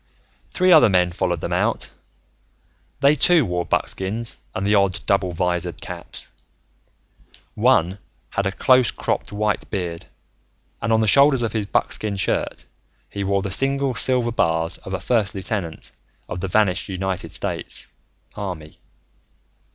Three other men followed them out. They, too, wore buckskins and the odd double visored caps. One had a close cropped white beard, and on the shoulders of his buckskin shirt, he wore the single silver bars of a first lieutenant of the vanished United States Army.